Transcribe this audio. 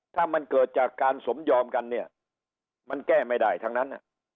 ถ้ามันเกิดจากการสมยอมกันเนี่ยมันแก้ไม่ได้ทั้งนั้น